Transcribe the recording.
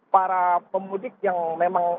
para pemudik yang memang